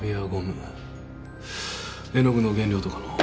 絵の具の原料とかの？